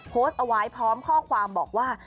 โพสต์เอาไว้พร้อมข้อความบอกว่า